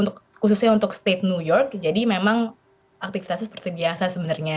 khususnya untuk state new york jadi memang aktivitasnya seperti biasa sebenarnya